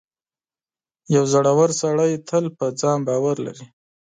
• یو زړور سړی تل پر ځان باور لري.